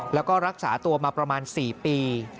แล้วก็รักษาตัวมาประมาณ๔ปี